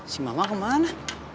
si mama kemana